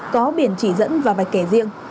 có biển chỉ dẫn và vạch kẻ riêng